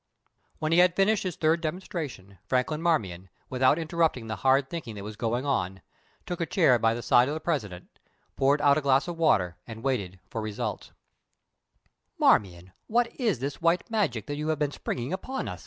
When he had finished his third demonstration, Franklin Marmion, without interrupting the hard thinking that was going on, took a chair by the side of the President, poured out a glass of water, and waited for results. "Marmion, what is this white magic that you have been springing upon us?"